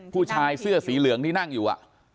ผู้ชายเสื้อสีเหลืองที่นั่งอยู่